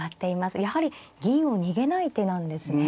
やはり銀を逃げない手なんですね。